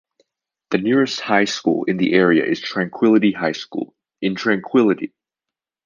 The nearest high school in the area is Tranquillity High School in Tranquillity.